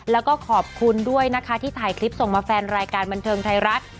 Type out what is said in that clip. แล้วก็ขอบคุณด้วยนะคะที่ถ่ายคลิปส่งมาแฟนรายการบันเทิงไทยรัฐ